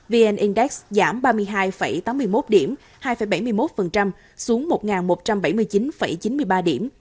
vn index giảm ba mươi hai tám mươi một điểm hai bảy mươi một xuống một một trăm bảy mươi chín chín mươi ba điểm